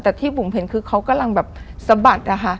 แต่ที่บุ๋มเห็นคือเขากำลังแบบสะบัดนะคะ